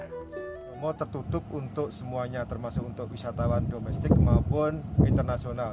bromo tertutup untuk semuanya termasuk untuk wisatawan domestik maupun internasional